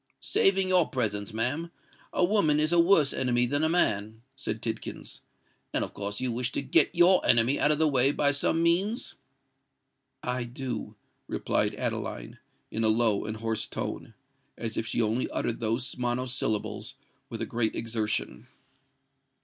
"Saving your presence, ma'am, a woman is a worse enemy than a man," said Tidkins. "And of course you wish to get your enemy out of the way by some means?" "I do," replied Adeline, in a low and hoarse tone—as if she only uttered those monosyllables with a great exertion.